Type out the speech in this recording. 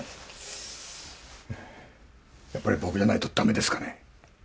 やっぱり僕じゃないとダメですかね？